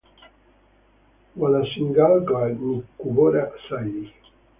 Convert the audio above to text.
Wadasingilwa ni kubora zaidi.